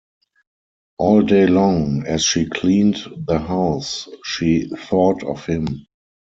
All day long, as she cleaned the house, she thought of him.